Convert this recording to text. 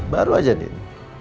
baru aja ndin